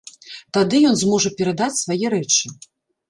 Тады ён зможа перадаць свае рэчы.